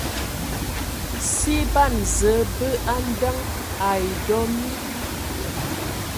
Si ban Zǝə bə andəŋ ai dɔ mi.